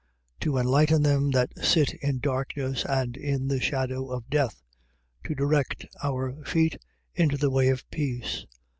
To enlighten them that sit in darkness and in the shadow of death: to direct our feet into the way of peace.